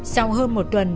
sau hơn một tuần